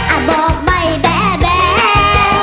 อ้ะบอกไบแบบแบ